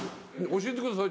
「教えてください」